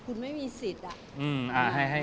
คุณไม่มีสิทธิ์อะ